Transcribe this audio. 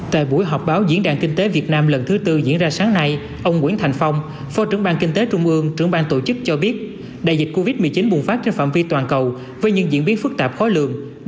tại buổi họp báo diễn đàn kinh tế việt nam lần thứ tư diễn ra sáng nay ông nguyễn thành phong phó trưởng ban kinh tế trung ương trưởng ban tổ chức cho biết đại dịch covid một mươi chín bùng phát trên phạm vi toàn cầu với những diễn biến phức tạp khó lường